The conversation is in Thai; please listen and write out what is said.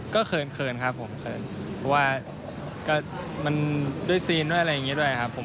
ก็เขินครับผมเขินเพราะว่าก็มันด้วยซีนด้วยอะไรอย่างนี้ด้วยครับผม